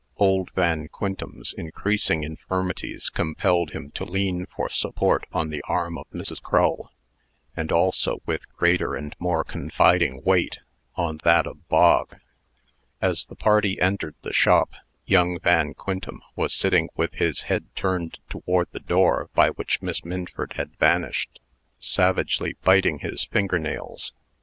Old Van Quintem's increasing infirmities compelled him to lean for support on the arm of Mrs. Crull, and also with greater and more confiding weight, on that of Bog. As the party entered the shop, young Van Quintem was sitting with his head turned toward the door by which Miss Minford had vanished, savagely biting his finger nails.